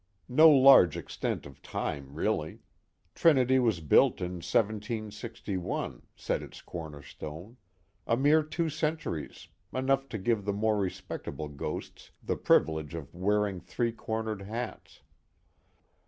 No large extent of time really: Trinity was built in 1761, said its cornerstone: a mere two centuries, enough to give the more respectable ghosts the privilege of wearing three cornered hats.